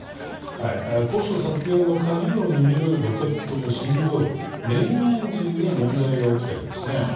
コスト削減の鍵を握るロケットの心臓部メインエンジンに問題が起きているんです。